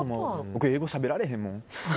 僕、英語しゃべられへんもん。